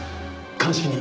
鑑識に。